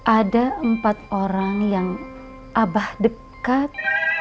ada empat orang yang abah dekat